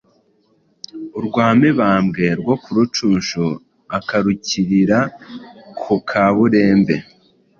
Urwa Mibambwe rwo ku Rucunshu Akarukirira ku kaburembe !